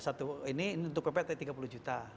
satu ini untuk pp tadi tiga puluh juta